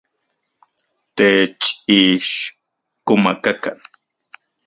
Techixkomakakan.